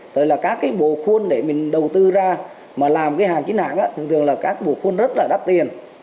tức là các bộ khuôn để mình đầu tư ra mà làm hàng chính hàng thường thường là các bộ khuôn rất đắt tiền